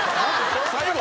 最後？